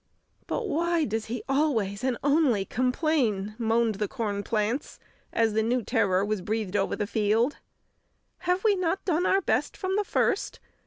"But why does he always and only complain?" moaned the corn plants, as the new terror was breathed over the field. "Have we not done our best from the first?